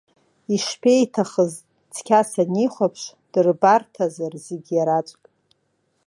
Ишԥеиҭахыз, цқьа санихәаԥш, дырбарҭазар зегь иараӡәк.